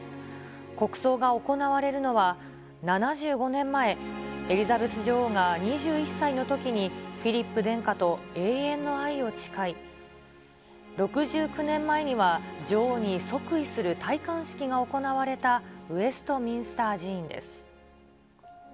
国葬が行われるのは、７５年前、エリザベス女王が２１歳のときに、フィリップ殿下と永遠の愛を誓い、６９年前には女王に即位する戴冠式が行われたウェストミンスター寺院です。